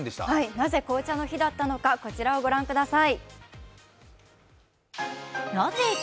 なぜ紅茶の日だったのか、御覧ください。